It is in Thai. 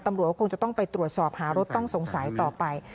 ตำรวจก็คงจะต้องไปตรวจสอบหารถต้องสงสัยต่อไป